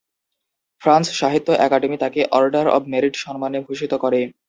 France সাহিত্য academy তাকে "order of merit" সম্মানে ভূষিত করে।